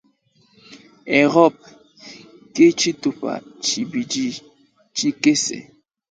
Europe ke tshitupa tshibidi tshikese.